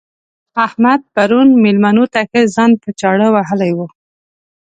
احمد پرون مېلمنو ته ښه ځان په چاړه وهلی وو.